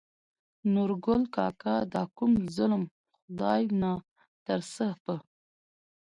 نورګل کاکا : دا کوم ظلم خداى ناترسه په